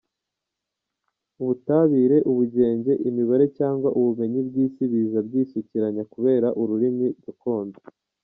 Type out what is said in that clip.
ubutabire, ubugenge, imibare cyangwa ubumenyi bw’Isi biza byisukiranya kubera ururimi gakondo.